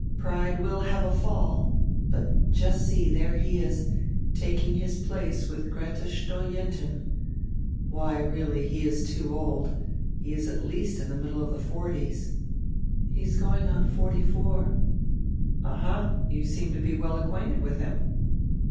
Pride will have a fall. But just see, there he is, taking his place with Grete Stojentin. Why, really, he is too old, he is at least in the middle of die forties." "He is going on forty four." "Alia, you seem to be well acquainted with him."